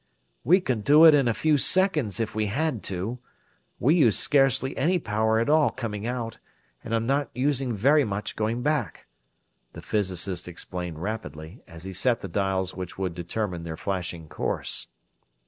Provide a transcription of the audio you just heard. "We could do it in a few seconds if we had to. We used scarcely any power at all coming out, and I'm not using very much going back," the physicist explained rapidly, as he set the dials which would determine their flashing course.